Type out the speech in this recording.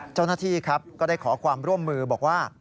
เจ้าหน้าที่ครับก็ได้ขอความร่วมมือบอกว่า